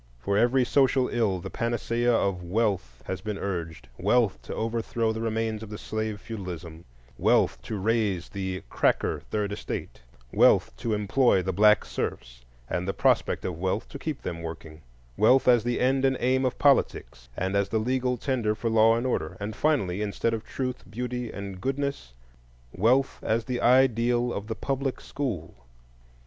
For every social ill the panacea of Wealth has been urged,—wealth to overthrow the remains of the slave feudalism; wealth to raise the "cracker" Third Estate; wealth to employ the black serfs, and the prospect of wealth to keep them working; wealth as the end and aim of politics, and as the legal tender for law and order; and, finally, instead of Truth, Beauty, and Goodness, wealth as the ideal of the Public School.